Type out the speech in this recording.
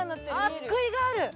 救いがある。